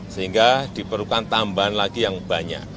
sehingga diperlukan tambahan lagi yang banyak